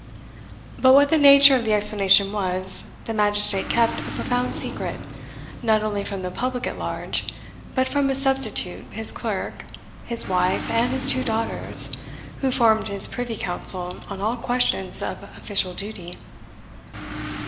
But what the nature of the explanation was, the magistrate kept a profound secret, not only from the public at large, but from his substitute, his clerk, his wife and his two daughters, who formed his privy council on all questions of official duty.